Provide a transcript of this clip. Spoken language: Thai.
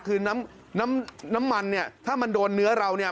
คือน้ำน้ำมันเนี่ยถ้ามันโดนเนื้อเราเนี่ย